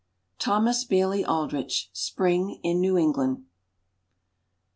—Thomas Bailey Aldrich, "Spring in New England."